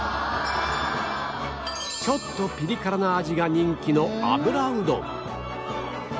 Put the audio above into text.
ちょっとピリ辛な味が人気の油うどん